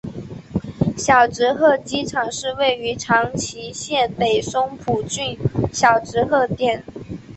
小值贺机场是位于长崎县北松浦郡小值贺町。